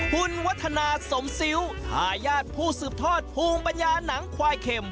คุณวัฒนาสมซิ้วทายาทผู้สืบทอดภูมิปัญญาหนังควายเข็ม